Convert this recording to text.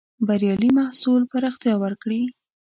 بریالي محصول پراختيا ورکړې.